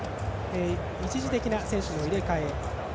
一時的な選手の入れ替え。